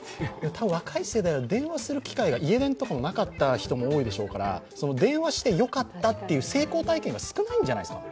たぶん若い世代は電話する機会が家電とかもなかった人が多いでしょうから電話してよかったという成功体験が少ないんじゃないですか。